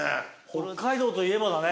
北海道といえばだね。